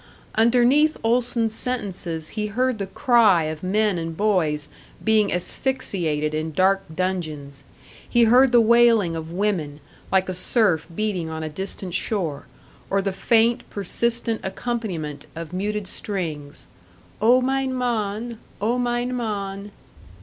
Underneath Olson's sentences he heard the cry of men and boys being asphyxiated in dark dungeons he heard the wailing of women, like a surf beating on a distant shore, or the faint, persistent accompaniment of muted strings: "O, mein Mann! O, mein Mann!"